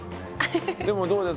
でもどうですか？